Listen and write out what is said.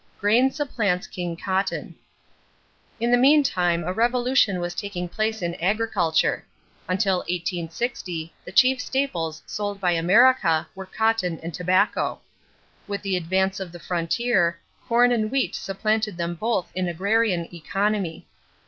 =Grain Supplants King Cotton.= In the meantime a revolution was taking place in agriculture. Until 1860 the chief staples sold by America were cotton and tobacco. With the advance of the frontier, corn and wheat supplanted them both in agrarian economy.